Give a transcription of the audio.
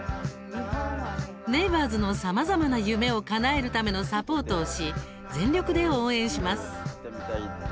ネイバーズのさまざまな夢をかなえるためのサポートをし全力で応援します。